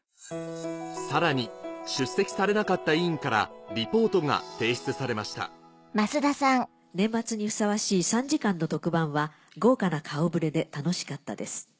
さらに出席されなかった委員からリポートが提出されました「年末にふさわしい３時間の特番は豪華な顔ぶれで楽しかったです。